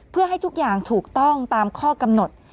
เพื่อให้ทุกอย่างถูกต้องตามข้อกำหนด